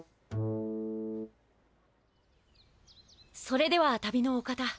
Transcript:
それでは旅のお方